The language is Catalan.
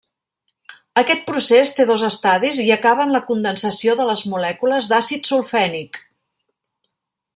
Aquest procés té dos estadis i acaba en la condensació de les molècules d'àcid sulfènic.